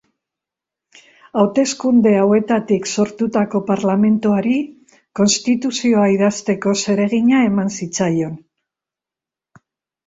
Hauteskunde hauetatik sortutako parlamentuari konstituzioa idazteko zeregina eman zitzaion.